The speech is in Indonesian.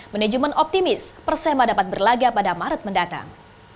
manajemen optimis persema dapat berlaga pada maret mendatang